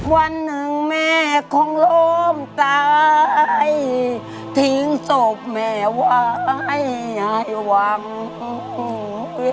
วันหนึ่งแม่คงล้มตายทิ้งศพแม่ไว้ยายหวัง